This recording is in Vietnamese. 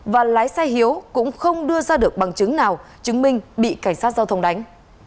và lái xe hiếu cũng không đưa ra được bằng chứng nào chứng minh bị cảnh sát giao thông đánh